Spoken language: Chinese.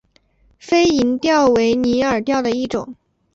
飞蝇钓为拟饵钓的一种。